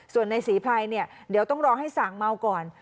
ส่วนในศรีไพรเนี่ยเดี๋ยวต้องรอให้สางเมาก่อน